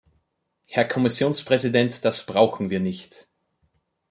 Herr Kommissionspräsident, das brauchen wir nicht!